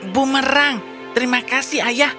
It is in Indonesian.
bu merang terima kasih ayah